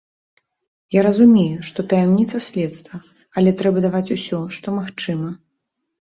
Я разумею, што таямніца следства, але трэба даваць усё, што магчыма.